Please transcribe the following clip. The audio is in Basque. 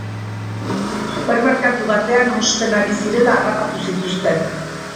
Supermerkatu batean osten ari zirela harrapatu zituzten.